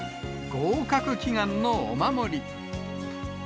合格祈願のお守り。